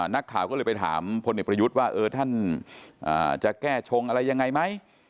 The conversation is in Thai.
นักข่าวก็เลยไปถามพลเอกประยุทธ์ว่าท่านจะแก้ชงอะไรยังไงไหม